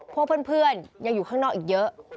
พวกเพื่อนยังอยู่ข้างนอกอีกเยอะ